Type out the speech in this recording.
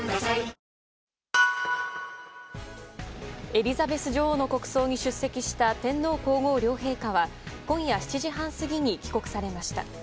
エリザベス女王の国葬に出席した天皇・皇后両陛下は今夜７時半過ぎに帰国されました。